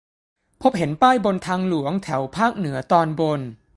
พบเห็นป้ายบนทางหลวง แถวภาคเหนือตอนบน